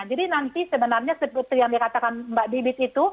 nanti sebenarnya seperti yang dikatakan mbak bibit itu